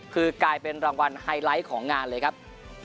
คือกลายเป็นรางวัลไฮไลท์ของงานเลยครับ